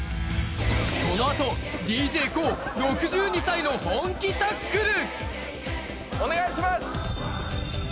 この後、ＤＪＫＯＯ、６２歳の本気タックル！